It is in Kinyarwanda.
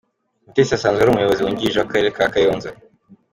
Mutesi asanzwe ari umuyobozi wungirije w’akarere ka Kayonza.